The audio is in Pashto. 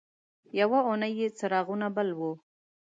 یوه اونۍ یې څراغونه بل وو.